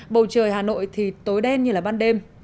bầu trời hà nội thì tối đen như là ban đêm